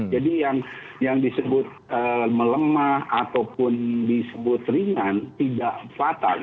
jadi yang disebut melemah ataupun disebut ringan tidak fatal